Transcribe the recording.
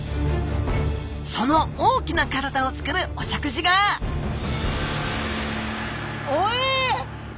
その大きな体をつくるお食事がおえ？